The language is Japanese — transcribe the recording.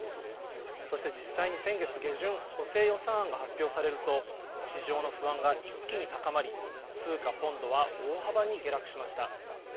そして、実際に先月下旬補正予算案が発表されると市場の不安が一気に高まり通貨ポンドは大幅に下落しました。